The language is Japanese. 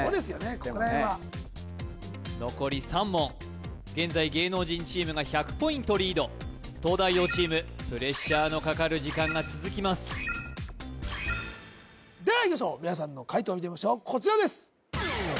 ここら辺は残り３問現在東大王チームプレッシャーのかかる時間が続きますではいきましょう皆さんの解答見てみましょうこちらです